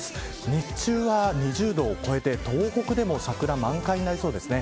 日中は２０度を超えて東北でも桜満開になりそうですね。